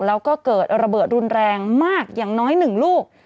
แล้วก็เกิดระเบิดรุนแรงมากอย่างน้อย๑ลูก